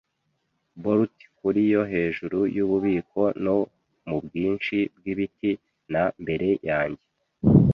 Bolt kuri yo hejuru yububiko no mubwinshi bwibiti, na mbere yanjye